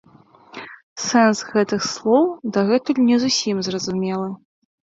Сэнс гэтых слоў дагэтуль не зусім зразумелы.